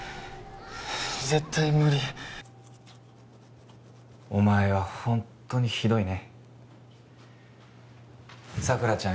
絶対無理お前はホントにひどいね佐倉ちゃん